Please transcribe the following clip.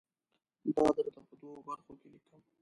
دا درته په دوو برخو کې لیکم.